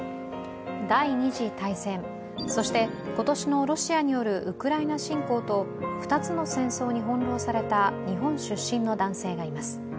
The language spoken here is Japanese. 第二次大戦、そして今年のロシアによるウクライナ侵攻と２つの戦争に翻弄された日本出身の男性がいます。